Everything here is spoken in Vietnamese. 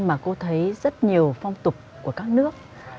mà cô thấy rất nhiều phong tục của các nước